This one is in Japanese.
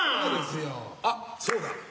あっそうだ。